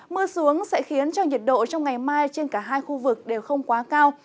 mưa xuống sẽ khiến cho nhiệt độ trong ngày mai trên cả hai khu vực đều không quá cao